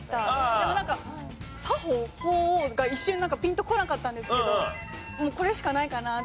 でもなんか作法法王が一瞬ピンとこなかったんですけどこれしかないかなと。